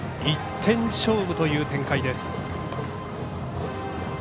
１点勝負という展開です。